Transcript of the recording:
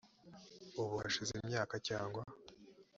ubu hashize imyaka cyangwa